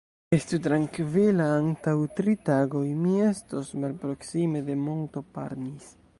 Estu trankvila, antaŭ tri tagoj mi estos malproksime de monto Parnis.